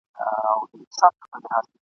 یار به کله راسي، وايي بله ورځ ..